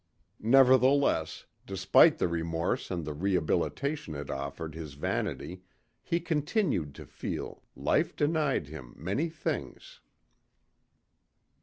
Nevertheless, despite the remorse and the rehabilitation it offered his vanity, he continued to feel life denied him many things.